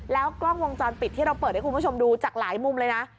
แล้วกล้องวงจรปิดที่เราเปิดให้คุณผู้ชมดูจากหลายมุมเลยนะ